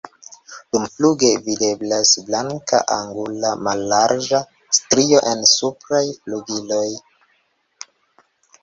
Dumfluge videblas blanka angula mallarĝa strio en supraj flugiloj.